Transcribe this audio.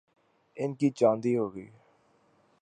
ان کی چاندی ہو گئی۔